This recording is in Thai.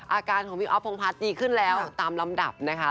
อาการของพี่อ๊อฟพงพัฒน์ดีขึ้นแล้วตามลำดับนะคะ